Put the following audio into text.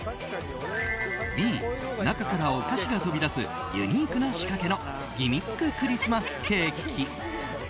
Ｂ、中からお菓子が飛び出すユニークな仕掛けのギミッククリスマスケーキ。